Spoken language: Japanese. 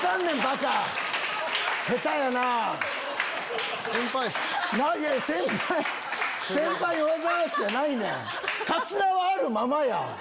カツラはあるままや！